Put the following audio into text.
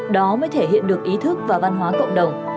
đó mới thể hiện được ý thức và văn hóa cộng đồng